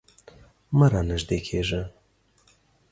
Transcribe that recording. مه رانږدې کیږه